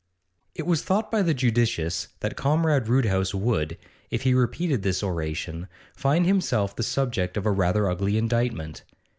It was thought by the judicious that Comrade Roodhouse would, if he repeated this oration, find himself the subject of a rather ugly indictment.